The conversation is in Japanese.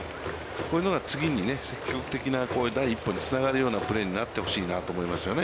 こういうのが次に積極的な第一歩につながるようなプレーになってほしいなと思いますよね。